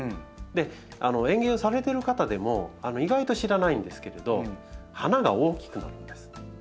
園芸をされてる方でも意外と知らないんですけれど花が大きくなるんです。